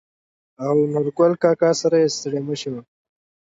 او نورګل کاکا سره يې ستړي مشې وکړه.